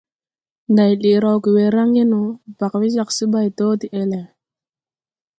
Nday lɛʼ rawge we raŋge no, bag we jag se ɓay do de-ɛle.